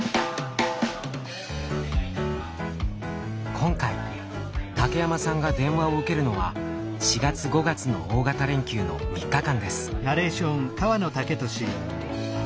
今回竹山さんが電話を受けるのは４月５月の大型連休の３日間です。